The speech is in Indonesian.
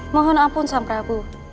mohon ampun sam prabu